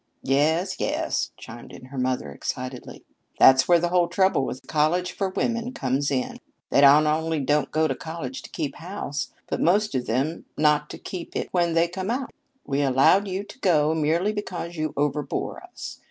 "Yes, yes," chimed in her mother excitedly; "that's where the whole trouble with college for women comes in. They not only don't go to college to keep house, but most of them mean not to keep it when they come out. We allowed you to go merely because you overbore us.